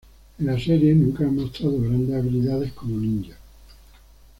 En la serie nunca ha mostrado grandes habilidades como ninja.